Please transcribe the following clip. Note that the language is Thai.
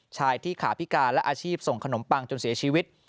ชายที่ขาพิการและอาชีพส่งขนมปังจนเสียชีวิต